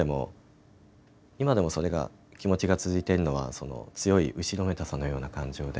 今でも、それが気持ちが続いているのは強い後ろめたさのような感情で。